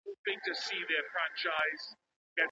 که په پارکونو کي ونې وکرل سي، نو د ښار هوا نه تودیږي.